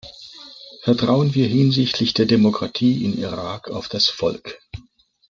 Vertrauen wir hinsichtlich der Demokratie in Irak auf das Volk!